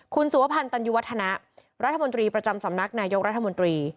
คุณสุวพันธ์ตันยุวัฒนะรัฐมนตรีประจำสำนักนายกรัฐมนตรี